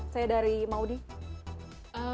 saya dari maudie